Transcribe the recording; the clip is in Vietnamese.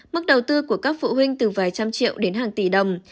mức đầu tư của các phụ huynh từ vài trăm triệu đến hàng tỷ đồng